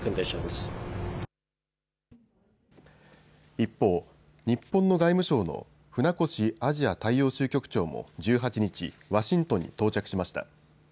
一方、日本の外務省の船越アジア大洋州局長も１８日、ワシントンに到着しました。